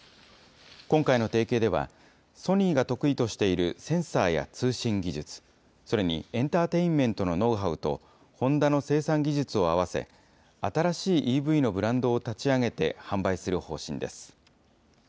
今回の提携では、ソニーが得意としているセンサーや通信技術、それにエンターテインメントのノウハウとホンダの生産技術をあわせ、新しいＥＶのブランドを立ち上げて販売する方針です。